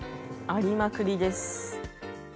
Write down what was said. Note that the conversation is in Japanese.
ありまくりです。